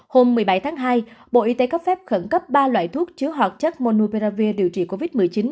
hôm một mươi bảy tháng hai bộ y tế cấp phép khẩn cấp ba loại thuốc chứa hoạt chất monupravir điều trị covid một mươi chín